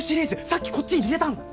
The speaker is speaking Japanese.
さっきこっちに入れたんだ。